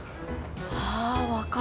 ああ分かる。